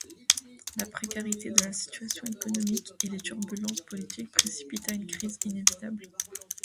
La précarité de la situation économique et les turbulences politiques précipita une crise inévitable.